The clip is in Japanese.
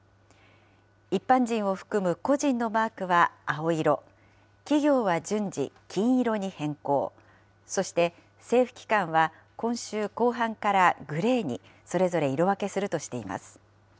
一般人を含む個人のマークは青色、企業は順次、金色に変更、そして、政府機関は今週後半からグレーに、それぞれ色分けするとしています。